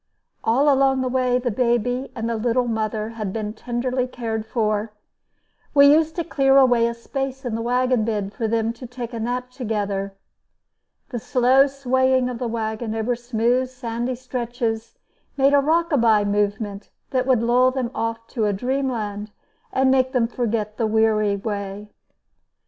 All along the way the baby and the little mother had been tenderly cared for. We used to clear away a space in the wagon bed for them to take a nap together. The slow swaying of the wagon over smooth, sandy stretches made a rock a by movement that would lull them off to dreamland and make them forget the weary way.